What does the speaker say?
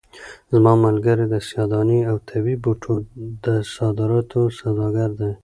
زما ملګری د سیاه دانې او طبي بوټو د صادراتو سوداګر دی.